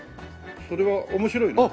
それは面白いの？